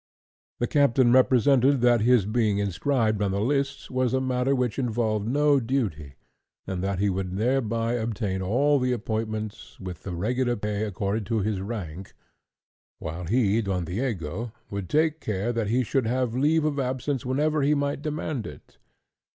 The captain represented that his being inscribed on the lists was a matter which involved no duty, and that he would thereby obtain all the appointments, with the regular pay accorded to his rank; while he, Don Diego, would take care that he should have leave of absence whenever he might demand it.